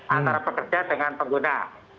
antara pekerja dengan pengguna